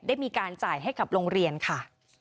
ได้มีการจ่ายให้กับโรงเรียนค่ะ